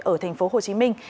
ở thành phố hồ chí minh